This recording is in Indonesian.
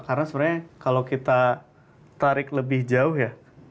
karena sebenarnya kalau kita tarik lebih jauh ya